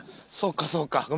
そうかそうか。